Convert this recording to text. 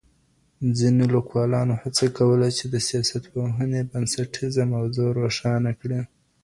ځينو ليکوالانو هڅه کوله چې د سياستپوهنې بنسټيزه موضوع روښانه کړي.